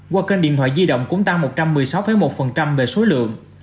qua kênh điện thoại di động cũng tăng một trăm một mươi sáu một về số lượng